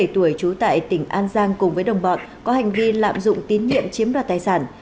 hai mươi tuổi trú tại tỉnh an giang cùng với đồng bọn có hành vi lạm dụng tín nhiệm chiếm đoạt tài sản